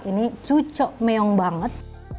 ini cucuk meyong banget